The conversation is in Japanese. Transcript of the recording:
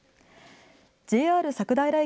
ＪＲ佐久平駅